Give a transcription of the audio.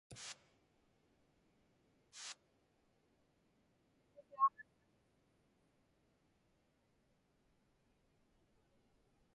Puggutauraq aŋiqpaktuq.